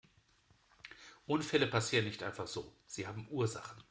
Unfälle passieren nicht einfach so, sie haben Ursachen.